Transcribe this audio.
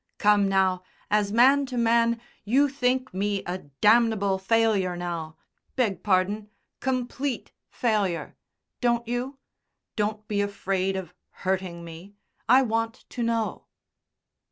Come now, as man to man, you think me a damnable failure now beg pardon complete failure don't you? Don't be afraid of hurting me. I want to know!"